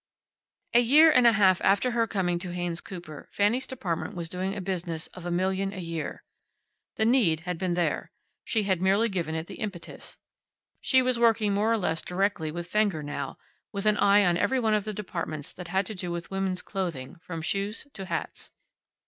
A year and a half after her coming to Haynes Cooper Fanny's department was doing a business of a million a year. The need had been there. She had merely given it the impetus. She was working more or less directly with Fenger now, with an eye on every one of the departments that had to do with women's clothing, from shoes to hats.